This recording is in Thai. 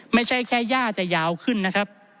ไม่ใช่แค่ย่าจะยาวขึ้นนะครับ